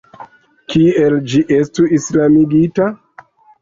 Kiel ĝi estu islamigita?